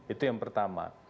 itu yang pertama